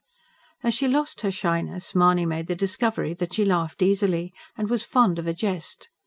As she lost her shyness Mahony made the discovery that she laughed easily, and was fond of a jest.